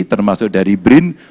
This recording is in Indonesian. termasuk dari brin